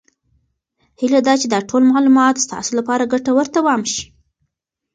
هیله ده چې دا ټول معلومات ستاسو لپاره ګټور تمام شي.